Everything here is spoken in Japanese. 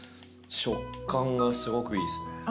食感がすごくいいですね。